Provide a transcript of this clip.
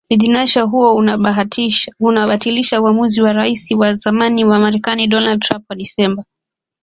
Uidhinishaji huo mpya unabatilisha uamuzi wa Raisi wa zamani wa Marekani Donald Trump wa Disemba